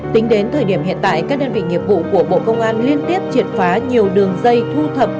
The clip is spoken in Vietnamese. tính đến thời điểm hiện tại các đơn vị nghiệp vụ của bộ công an liên tiếp triệt phá nhiều đường dây thu thập